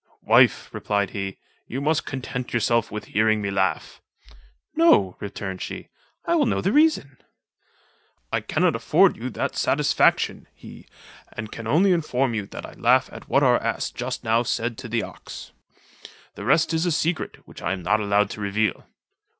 "Wife," replied he, "you must content yourself with hearing me laugh." "No," returned she, "I will know the reason." "I cannot afford you that satisfaction," he, "and can only inform you that I laugh at what our ass just now said to the ox. The rest is a secret, which I am not allowed to reveal."